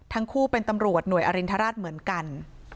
ทั้งคู่เป็นตำรวจหน่วยอรินทราชเหมือนกัน